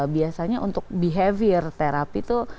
biasanya untuk behavior terapi itu